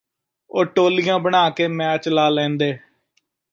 ਉਹ ਟੋਲੀਆਂ ਬਣਾ ਕੇ ਮੈਚ ਲਾ ਲੈਂਦੇ